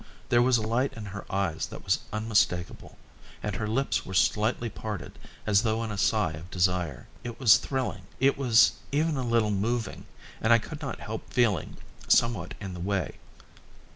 There was a light in her eyes that was unmistakable, and her lips were slightly parted as though in a sigh of desire. It was thrilling. It was even a little moving, and I could not help feeling somewhat in the way.